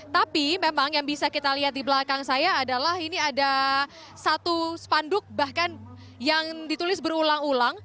tapi memang yang bisa kita lihat di belakang saya adalah ini ada satu spanduk bahkan yang ditulis berulang ulang